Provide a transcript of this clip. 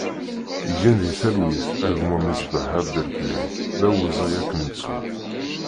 Gen di talwit a gma Mesbaḥ Abdelkrim, d awezɣi ad k-nettu!